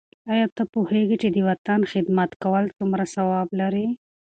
آیا ته پوهېږې چې د وطن خدمت کول څومره ثواب لري؟